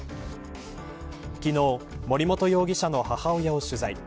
昨日、森本容疑者の母親を取材。